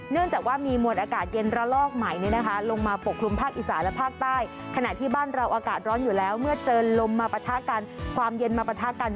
จากว่ามีมวลอากาศเย็นระลอกใหม่เนี่ยนะคะลงมาปกคลุมภาคอีสานและภาคใต้ขณะที่บ้านเราอากาศร้อนอยู่แล้วเมื่อเจอลมมาปะทะกันความเย็นมาปะทะกัน